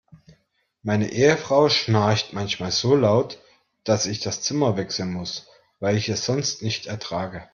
Meine Ehefrau schnarcht manchmal so laut, dass ich das Zimmer wechseln muss, weil ich es sonst nicht ertrage.